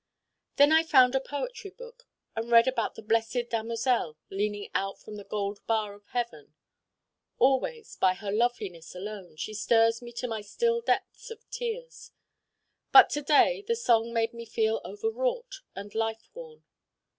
Then I found a poetry book and read about the Blessed Damozel leaning out from the gold bar of heaven. Always, by her loveliness alone, she stirs me to my still depths of tears. But to day the song made me feel over wrought and life worn.